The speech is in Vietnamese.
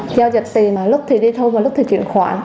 giao dịch tiền lúc thì đi thu và lúc thì chuyển khoản